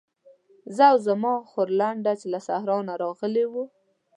زه او زما خورلنډه چې له صحرا نه راغلې وو.